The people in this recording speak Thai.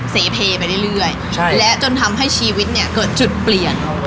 เสพเพลย์ไปเรื่อยเรื่อยใช่และจนทำให้ชีวิตเนี้ยเกิดจุดเปลี่ยน